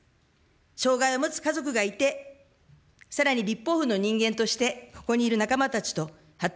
障害を持つ家族がいて、さらに立法府の人間として、ここにいる仲間たちと発達